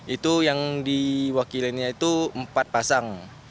itu yang diwakilinya itu empat pasang